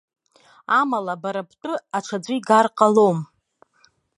Амала бара бтәы аҽаӡәы игар ҟалом.